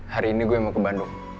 hari ini gue mau ke bandung